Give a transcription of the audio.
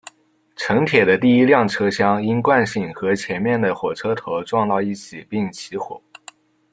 城铁的第一辆车厢因惯性和前面的火车头撞到一起并起火。